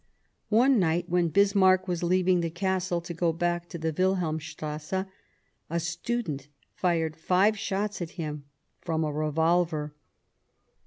One night, when Bismarck was leaving the Castle to go back to the Wilhelmstrasse, a student fired five shots at him from a revolver.